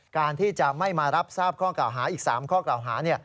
การที่จะไม่มารับทราบข้อกล่าวหาอีก๓ข้อกล่าวหา